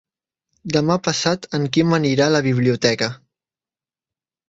Demà passat en Quim anirà a la biblioteca.